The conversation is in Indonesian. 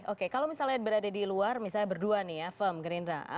oke kalau misalnya berada di luar misalnya berdua nih ya firm gerindra